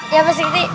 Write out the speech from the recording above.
iya pasik ginti